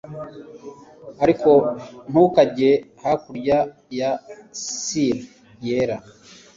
Ariko ntukajye hakurya ya sill yera